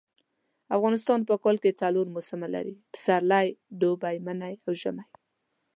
افغانستان په کال کي څلور موسمه لري . پسرلی دوبی منی او ژمی